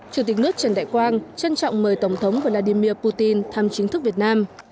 chủ tịch nước trần đại quang trân trọng mời tổng thống vladimir putin thăm chính thức việt nam